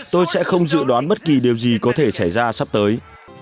tôi sẽ không dự đoán bất kỳ điều gì có thể xảy ra sắp tới